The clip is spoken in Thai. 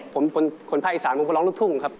ผมคุณผ้าอิสานสงครองรุ่งทุ่งครับ